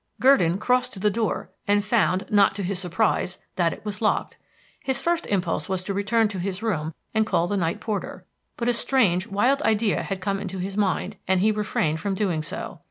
Gurdon crossed to the door, and found, not to his surprise, that it was locked. His first impulse was to return to his room and call the night porter; but a strange, wild idea had come into his mind, and he refrained from doing so.